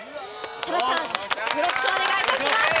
多田さん、よろしくお願いいたします。